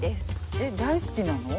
えっ大好きなの？